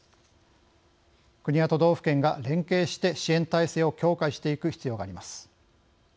国や都道府県が連携して支援体制を強化していく必要があります。